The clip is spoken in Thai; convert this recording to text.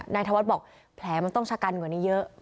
ธวัฒน์บอกแผลมันต้องชะกันกว่านี้เยอะ